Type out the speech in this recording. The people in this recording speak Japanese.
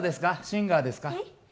シンガーですか？